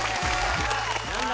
何だ？